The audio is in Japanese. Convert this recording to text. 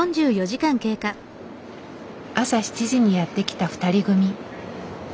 朝７時にやって来た２人組。